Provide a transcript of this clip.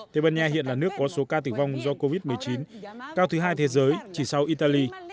tây ban nha hiện là nước có số ca tử vong do covid một mươi chín cao thứ hai thế giới chỉ sau italy